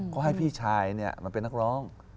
ก็ให้พี่ชายมาเป็นนักร้อง